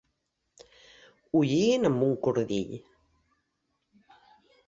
Ho lliguin amb un cordill.